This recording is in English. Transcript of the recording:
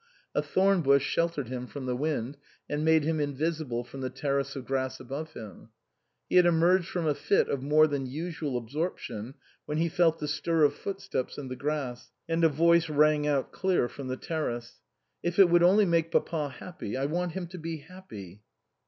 A thorn bush sheltered him from the wind and made him invisible from the terrace of grass above him. He had emerged from a fit of more than usual absorption when he felt the stir of footsteps in the grass, and a voice rang out clear from the terrace. " If it would only make papa happy. I want him to be happy."